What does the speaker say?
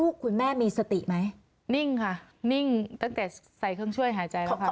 ประมาณนี้ค่ะ